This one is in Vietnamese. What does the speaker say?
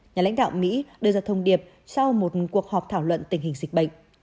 nhà lãnh đạo mỹ đưa ra thông điệp sau một cuộc họp thảo luận tình hình dịch bệnh